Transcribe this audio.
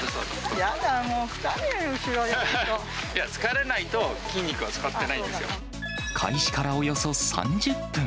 嫌だ、もう疲れる、いや、疲れないと、筋肉は使開始からおよそ３０分。